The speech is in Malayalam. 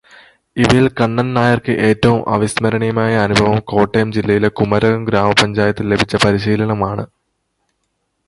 ഇവയില് കണ്ണൻ നായർക്ക് ഏറ്റവും അവിസ്മരണീയമായ അനുഭവം കോട്ടയം ജില്ലയിലെ കുമരകം ഗ്രാമപഞ്ചായത്തിൽ ലഭിച്ച പരിശീലനമാണ്.